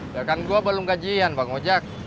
ya kan gue belum gajian bang ojek